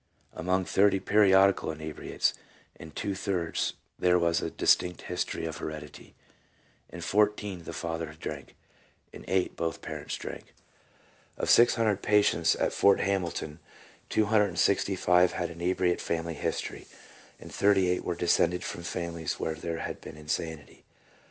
Among 30 periodical inebriates, in two thirds there was a distinct history of heredity; in fourteen the father drank, in eight both parents drank." Of 600 patients at Fort Hamilton, 265 had inebriate family history, and 38 were descended from families where there had been insanity.